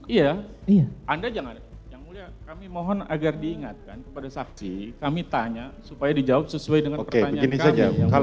iya iya anda jangan yang mulia kami mohon agar diingatkan kepada saksi kami tanya supaya dijawab sesuai dengan pertanyaan kami